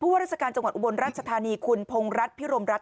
ว่าราชการจังหวัดอุบลราชธานีคุณพงรัฐพิรมรัฐ